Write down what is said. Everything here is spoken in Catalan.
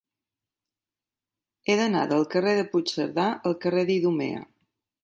He d'anar del carrer de Puigcerdà al carrer d'Idumea.